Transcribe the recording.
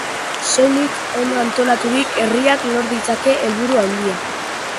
Soilik ongi antolaturiko herriak lor ditzake helburu handiak.